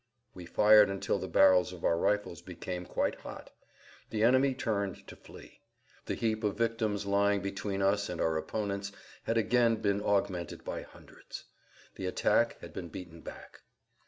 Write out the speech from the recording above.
We fired until the barrels of our rifles became quite hot. The enemy turned to flee. The heap of victims lying between us and our opponents had again been augmented by hundreds. The attack had been beaten back.